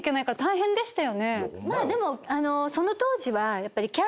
でもその当時は。